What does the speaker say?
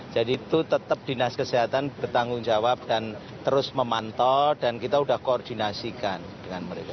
jadi itu tetap dinas kesehatan bertanggung jawab dan terus memantau dan kita sudah koordinasikan dengan mereka